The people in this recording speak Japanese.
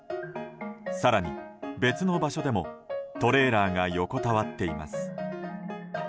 更に、別の場所でもトレーラーが横たわっています。